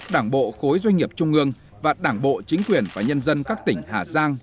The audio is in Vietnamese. đảng bộ khối doanh nghiệp trung ương và đảng bộ chính quyền và nhân dân các tỉnh hà giang